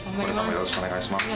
よろしくお願いします。